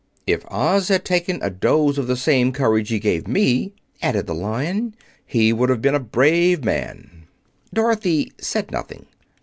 "If Oz had taken a dose of the same courage he gave me," added the Lion, "he would have been a brave man." Dorothy said nothing.